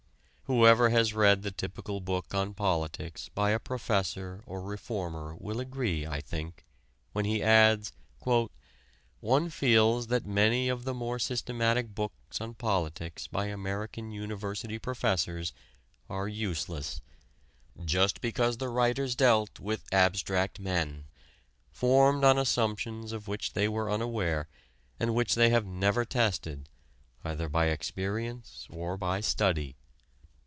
Whoever has read the typical book on politics by a professor or a reformer will agree, I think, when he adds: "One feels that many of the more systematic books on politics by American University professors are useless, just because the writers dealt with abstract men, formed on assumptions of which they were unaware and which they have never tested either by experience or by study."